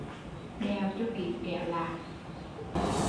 Đèo cho kỹ kẻo lạc